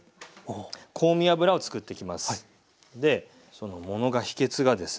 その物が秘けつがですね